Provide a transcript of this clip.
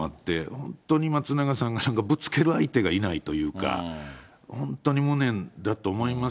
本当に松永さんがなんかぶつける相手がいないというか、本当に無念だと思います。